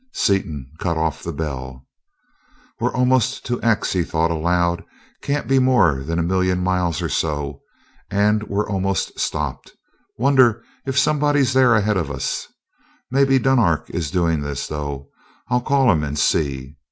Seaton cut off the bell. "We're almost to 'X'," he thought aloud. "Can't be more than a million miles or so, and we're almost stopped. Wonder if somebody's there ahead of us? Maybe Dunark is doing this, though. I'll call him and see."